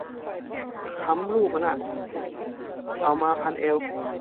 ขำรูปมันอะ เอามาพันเอว